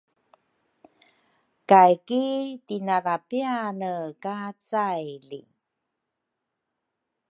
Kay ki tinara piane ka caili